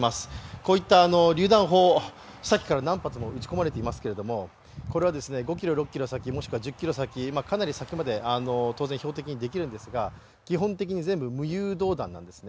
こういったりゅう弾砲、さっきから何発も撃ち込まれていますけれどもこれは５ｋｍ、６ｋｍ先、もしくは１０ｋｍ先、かなり先まで当然標的にできるんですが基本的に無誘導弾なんですね。